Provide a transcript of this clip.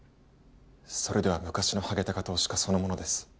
それでは昔のハゲタカ投資家そのものです